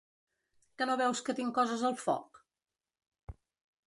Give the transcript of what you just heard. Que no veus que tinc coses al foc?